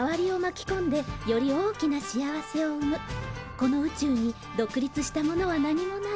この宇宙に独立したものは何もない。